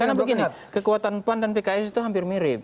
karena begini kekuatan pan dan pks itu hampir mirip